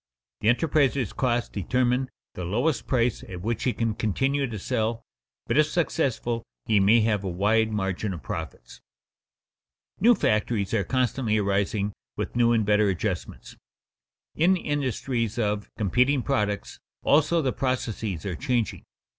_The enterpriser's costs determine the lowest price at which he can continue to sell, but if successful he may have a wide margin of profits._ New factories are constantly arising with new and better adjustments. In industries of competing products, also, the processes are changing.